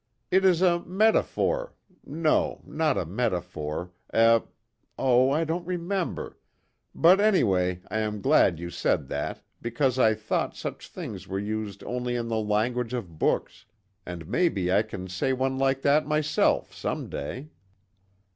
It is a metaphor no, not a metaphor a oh, I don't remember, but anyway I am glad you said that because I thought such things were used only in the language of books and maybe I can say one like that myself, someday."